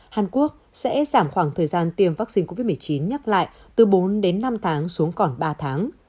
hàn quốc sẽ giảm khoảng thời gian tiêm vaccine covid một mươi chín nhắc lại từ bốn đến năm tháng xuống còn ba tháng